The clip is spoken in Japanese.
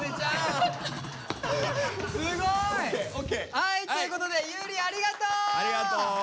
すごい！はいということで裕理ありがとう！ありがとう。